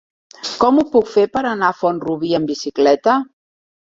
Com ho puc fer per anar a Font-rubí amb bicicleta?